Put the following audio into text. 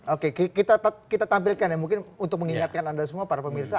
oke kita tampilkan ya mungkin untuk mengingatkan anda semua para pemirsa